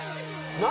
・何？